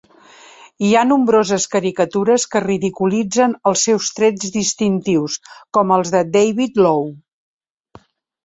Hi ha nombroses caricatures que ridiculitzen els seus trets distintius, com els de David Low.